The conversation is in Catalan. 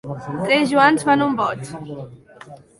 Tres Joans fan un boig.